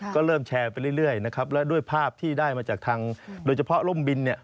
ก็เริ่มแชร์ไปเรื่อยนะครับแล้วด้วยภาพที่ได้มาจากทางโดยเฉพาะร่มบินเนี่ย